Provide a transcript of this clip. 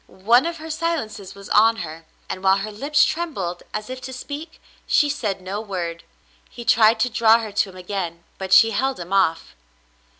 One of her silences was on her, and while her lips trembled as if to speak, she said no word. He tried to draw her to him again, but she held him off.